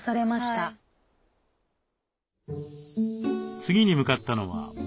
次に向かったのは森。